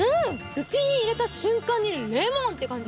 口に入れた瞬間にレモン！って感じ。